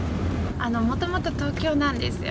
あのもともと東京なんですよ。